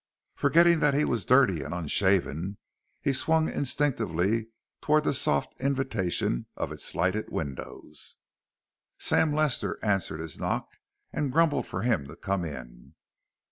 Forgetting that he was dirty and unshaven, he swung instinctively toward the soft invitation of its lighted windows. Sam Lester answered his knock and grumbled for him to come in.